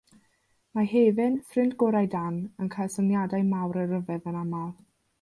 Mae Hefin, ffrind gorau Dan, yn cael syniadau mawr a rhyfedd yn aml.